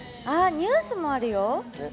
ニュースもあるよ。